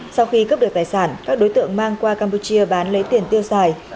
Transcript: sau khi cướp được tài sản các đối tượng mang qua campuchia bán lấy tiền tiêu xài